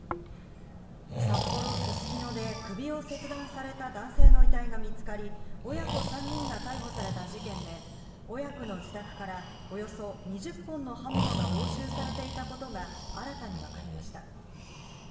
札幌・すすきので、首を切断された男性の遺体が見つかり、親子３人が逮捕された事件で、親子の自宅から、およそ２０本の刃物が押収されていたことが新たに分かりました。